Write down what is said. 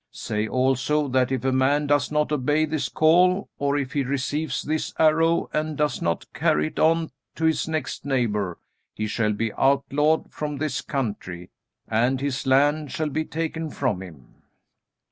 Say also that if a man does not obey this call, or if he receives this arrow and does not carry it on to his next neighbor, he shall be outlawed from this country, and his land shall be taken from him."